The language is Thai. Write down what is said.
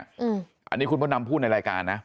อันนี้คุณพ่อนำพูดในรายการนะ